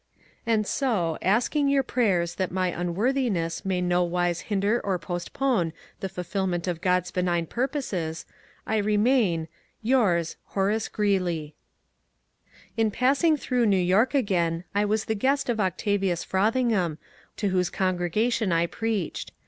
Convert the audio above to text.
And so, asking your prayers that my unworthiness may no wise hinder or postpone the fulfilment of God's benign pur poses, I remain, Yours, Horace Gbeeley. ANTISLAVERY FRATERNTTT SHATTERED 337 In passing through New York again I was the guest of Octavius Frothingham, to whose congregation I preached.